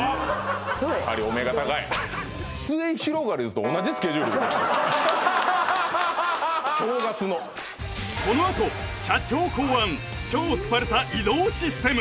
そうですやはりお目が高いすゑひろがりずと正月のこのあと社長考案超スパルタ移動システム